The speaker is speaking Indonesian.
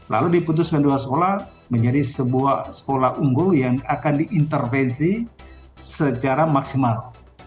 lalu diputuskan dua sekolah menjadi sebuah sekolah unggul yang akan diintervensi secara maksimal